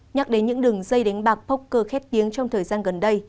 nhắc đến những đường dây đánh bạc poker khét tiếng trong thời gian gần đây